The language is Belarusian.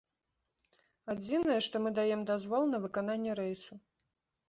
Адзінае, што мы даем дазвол на выкананне рэйсу.